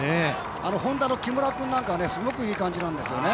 Ｈｏｎｄａの木村君なんかはすごくいい感じですよね。